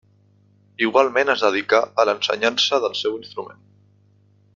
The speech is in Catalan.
Igualment es dedicà a l'ensenyança del seu instrument.